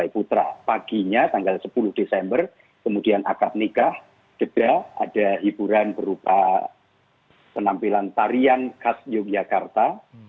pagi tanggal sepuluh desember akad nikah ada hiburan berupa penampilan tarian khas yogyakarta